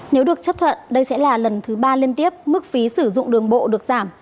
nếu được chấp thuận đây sẽ là lần thứ ba liên tiếp mức phí sử dụng đường bộ được giảm